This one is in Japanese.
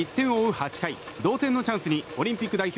８回同点のチャンスにオリンピック代表